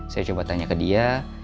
saya coba tanya ke dia